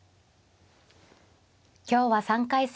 今日は３回戦